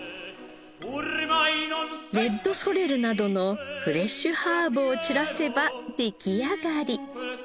レッドソレルなどのフレッシュハーブを散らせば出来上がり。